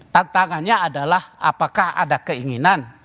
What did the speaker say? tantangannya adalah apakah ada keinginan